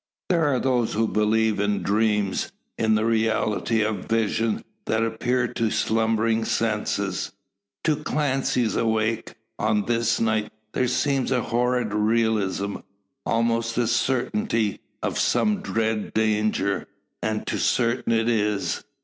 There are those who believe in dreams, in the reality of visions that appear to the slumbering senses. To Clancy's, awake, on this night, there seems a horrid realism, almost a certainty, of some dread danger. And too certain it is.